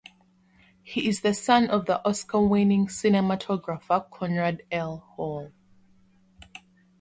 He is the son of the Oscar-winning cinematographer Conrad L. Hall.